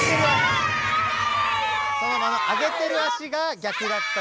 ソノマの上げてる足が逆だった。